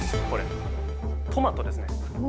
これトマトですね。